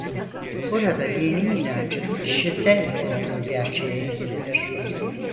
Burada dini inancın kişisel olduğu gerçeği etkilidir.